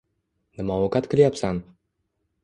— Nima ovqat qilyapsan?